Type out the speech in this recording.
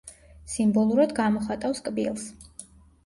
სიმბოლურად გამოხატავს კბილს.